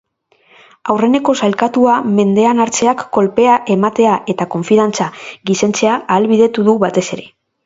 Aurreneko sailkatua mendean hartzeak kolpea ematea eta konfidantza gizentzea ahalbidetu du batez ere.